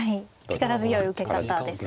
力強い受け方ですね。